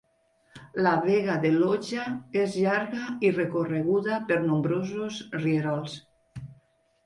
La Vega de Loja és llarga i recorreguda per nombrosos rierols.